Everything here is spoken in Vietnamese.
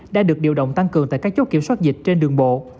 đã được điều động tăng cường tại các chốt kiểm soát dịch trên đường bộ